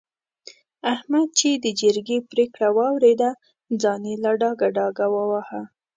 احمد چې د جرګې پرېکړه واورېده؛ ځان يې له ډاګه ډاګه وواهه.